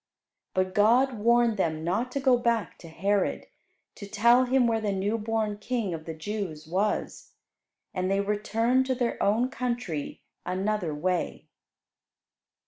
But God warned them not to go back to Herod, to tell him where the new born King of the Jews was, and they returned to their own country another way.